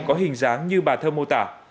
có hình dáng như bà thơm mô tả